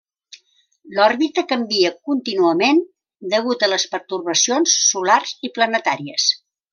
L'òrbita canvia contínuament degut a les pertorbacions solars i planetàries.